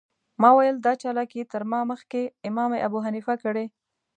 ما ویل دا چالاکي تر ما مخکې امام ابوحنیفه کړې.